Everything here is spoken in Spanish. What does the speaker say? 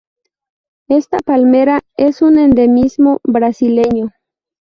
Esta palmera es un endemismo brasileño.